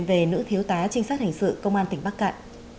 về nữ thiếu tá trinh sát hình sự công an tỉnh bắc cạn